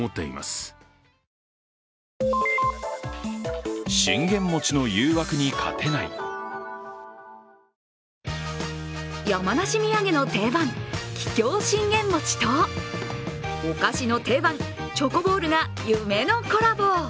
この話題の作品に本物のすき家は山梨土産の定番、桔梗信玄餅とお菓子の定番、チョコボールが夢のコラボ。